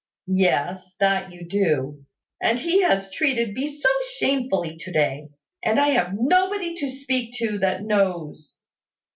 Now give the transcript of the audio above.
"Yes, that you do. And he has treated me so shamefully to day! And I have nobody to speak to that knows.